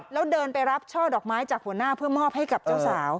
แล้วเดินไปรับช่อดอกไม้จากหัวหน้าเพื่อมอบให้กับเจ้าสาว